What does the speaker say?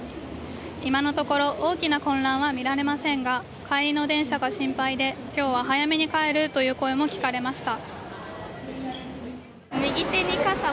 今のところ、大きな混乱は見られませんが帰りの電車が心配で今日は早めに帰るという声も聞かれました。